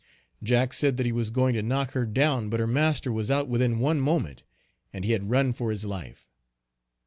Jack said that he was going to knock her down but her master was out within one moment, and he had to run for his life.